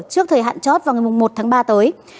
trước thời hạn chót vào ngày một tháng ba tới